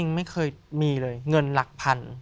เงินหลักพันธุ์